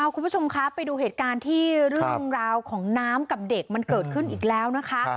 คุณผู้ชมคะไปดูเหตุการณ์ที่เรื่องราวของน้ำกับเด็กมันเกิดขึ้นอีกแล้วนะคะ